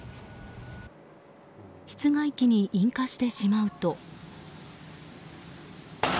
室外機に引火してしまうと。